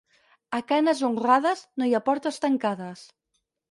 A canes honrades no hi ha portes tancades.